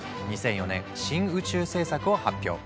２００４年「新宇宙政策」を発表。